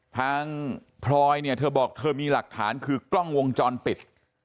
พลอยเนี่ยเธอบอกเธอมีหลักฐานคือกล้องวงจรปิด